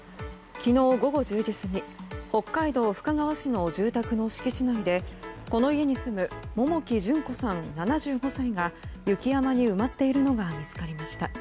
昨日午後１０時過ぎ北海道深川市の住宅の敷地内でこの家に住む桃木順子さん、７５歳が雪山に埋まっているのが見つかりました。